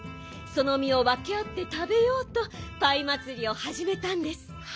そのみをわけあってたべようとパイまつりをはじめたんです。